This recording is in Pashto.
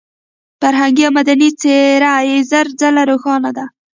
فرهنګي او مدني څېره زر ځله روښانه ده.